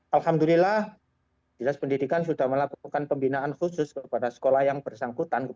alhamdulillah dinas pendidikan sudah melakukan pembinaan khusus kepada sekolah yang bersangkutan